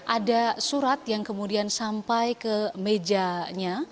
ada surat yang kemudian sampai ke mejanya